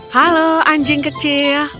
halo anjing kecil